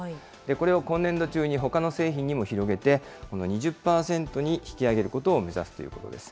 これを今年度中にほかの製品にも広げて、この２０％に引き上げることを目指すということです。